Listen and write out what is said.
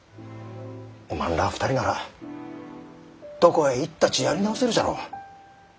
おまんらあ２人ならどこへ行ったちやり直せるじゃろう。